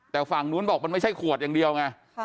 แต่ฝั่งนู้นบอกมันไม่ใช่ขวดอย่างเดียวไง